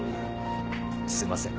すいません。